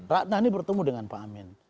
ratna ini bertemu dengan pak amin